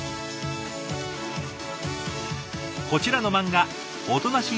こちらの漫画おとなしい